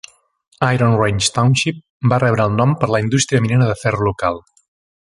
Iron Range Township va rebre el nom per la indústria minera de ferro local.